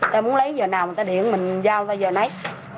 ta muốn lấy giờ nào người ta điện mình giao ta giờ nấy